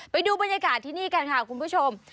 ไปดูบรรยากาศที่นี่กันค่ะคุณผู้ชม